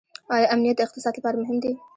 آیا امنیت د اقتصاد لپاره مهم دی؟